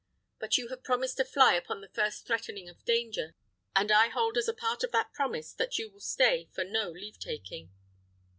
But you have promised to fly upon the first threatening of danger, and I hold as a part of that promise that you will stay for no leave taking."